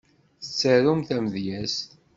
Tettarumt tamedyezt?